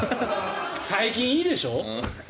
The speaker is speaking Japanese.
最近、いいでしょ。